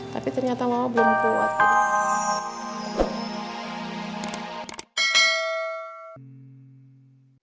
tapi ternyata mama belum kuat